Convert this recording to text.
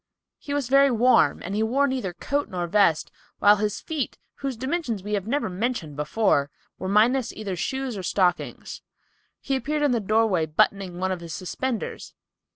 He was very warm and he wore neither coat nor vest, while his feet, whose dimensions we have mentioned before, were minus either shoes or stockings. He appeared in the doorway buttoning one of his suspenders.